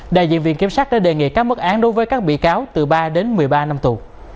đại diện viện kiểm sát đã đề nghị các mất án đối với các bị cáo từ ba đến một mươi ba năm tù